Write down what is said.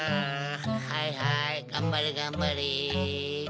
はいはいがんばれがんばれ。